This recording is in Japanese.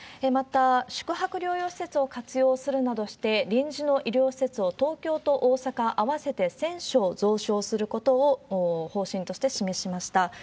また、宿泊療養施設を活用するなどして、臨時の医療施設を東京と大阪、合わせて１０００床増床することを方針として示しました。